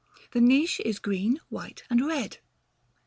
The niche is green, white, and red.